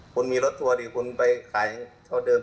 คุณมีรถทัวร์ดีคุณไปขายเท่าเดิม